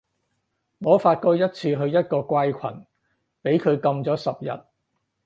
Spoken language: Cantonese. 我發過一次去一個怪群，畀佢禁咗十日